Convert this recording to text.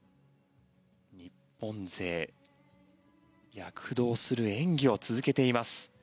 日本勢躍動する演技を続けています。